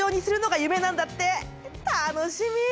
楽しみ！